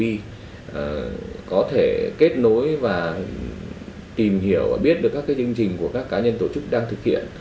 thì có thể kết nối và tìm hiểu và biết được các chương trình của các cá nhân tổ chức đang thực hiện